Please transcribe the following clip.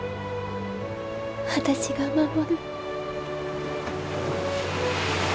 私が守る。